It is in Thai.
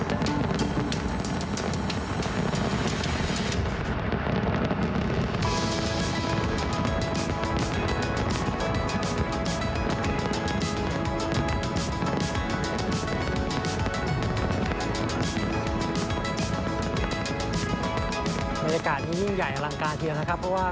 บรรยากาศที่นี่ยังใหญ่อลังการที่น่ะครับเพราะว่า